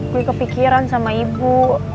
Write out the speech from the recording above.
gue kepikiran sama ibu